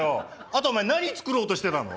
あとお前何作ろうとしてたの？